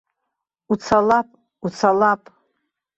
Уцалап, уцалап.